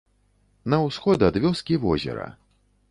На ўсход ад вёскі возера.